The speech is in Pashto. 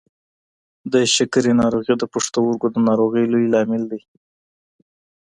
د شکر ناروغي د پښتورګو د ناروغۍ لوی لامل دی.